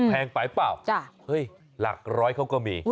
แพงไปเปล่าเฮ้ยหลักร้อยเขาก็มี